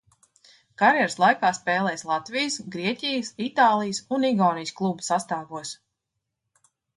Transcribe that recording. Karjeras laikā spēlējis Latvijas, Grieķijas, Itālijas un Igaunijas klubu sastāvos.